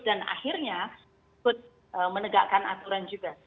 dan akhirnya menegakkan aturan juga